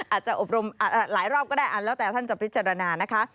อบรมหลายรอบก็ได้อันแล้วแต่ท่านจะพิจารณานะคะ